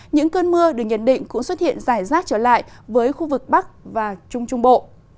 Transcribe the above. những cơn mưa được nhận định cũng xuất hiện rải rác trở lại với khu vực bắc và trung trung bộ